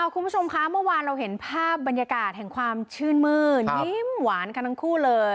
คุณผู้ชมคะเมื่อวานเราเห็นภาพบรรยากาศแห่งความชื่นมื้นยิ้มหวานกันทั้งคู่เลย